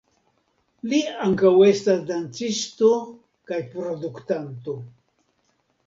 Li ankaŭ estas dancisto kaj produktanto.